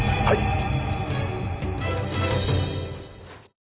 はい！